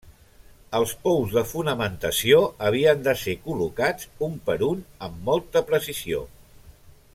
Els pous de fonamentació havien de ser col·locats un per un amb molta precisió.